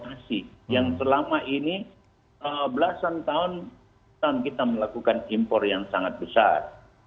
kita tidak melakukan impor pasif yang selama ini belasan tahun kita melakukan impor yang sangat besar